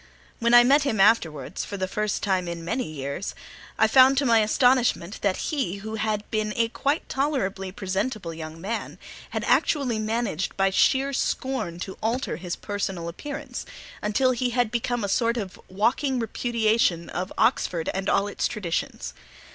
When I met him afterwards, for the first time for many years, I found to my astonishment that he, who had been a quite tolerably presentable young man, had actually managed by sheer scorn to alter his personal appearance until he had become a sort of walking repudiation of Oxford and all its traditions.